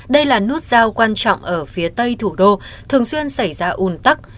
đây là nút giao quan trọng ở phía tây thủ đô thường xuyên xảy ra ủn tắc